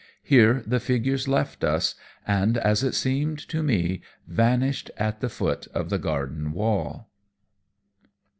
Here the figures left us, and as it seemed to me vanished at the foot of the garden wall.